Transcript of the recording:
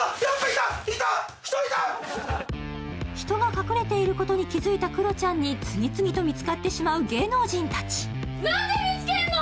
人が隠れていることに気付いたクロちゃんに次々と見つかってしまう芸能人たち。